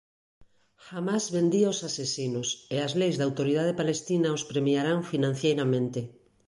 Hamas bendí aos asasinos e as leis da Autoridade Palestina os premiarán financeiramente".